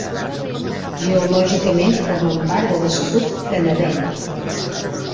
Geològicament formen part de l'escut canadenc.